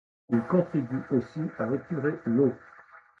Ils contribuent ainsi à épurer l’eau.